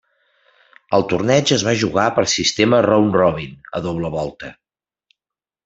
El torneig es va jugar per sistema round-robin a doble volta.